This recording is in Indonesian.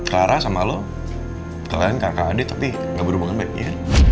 clara sama lo kalian kakak adik tapi gak berhubungan baik baik